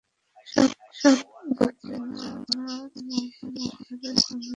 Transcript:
স্বগোত্রের জন্য ছাড়াও মূল ধারার সঙ্গে নিজেকে যুক্ত করার চেষ্টা করেন তাঁরা।